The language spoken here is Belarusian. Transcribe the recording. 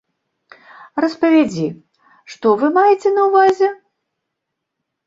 Распавядзі, што вы маеце на ўвазе?